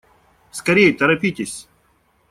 Скорей, торопитесь!